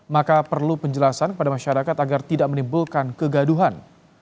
maka perlu penjelasan kepada masyarakat agar tidak menimbulkan kegaduhan